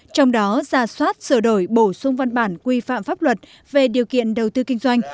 trong đó ra soát sửa đổi bổ sung văn bản quy phạm pháp luật về điều kiện đầu tư kinh doanh